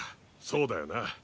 そうだよな。